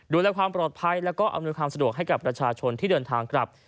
ดูแลความปลอดภัยแล้วก็อำนวยความสะดวกให้กับประชาชนที่เดินทางกลับ